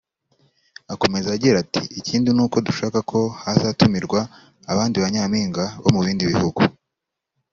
Akomeza agira ati “Ikindi ni uko dushaka ko hazatumirwa abandi ba Nyampinga bo mu bindi bihugu